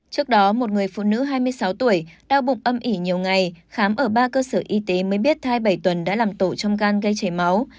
trước đó một người phụ nữ hai mươi sáu tuổi đau bụng âm ỉ nhiều ngày khám ở ba cơ sở y tế mới biết thai bảy tuần đã làm tổ trong gan gây chảy máu